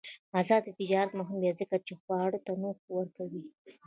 آزاد تجارت مهم دی ځکه چې خواړه تنوع ورکوي.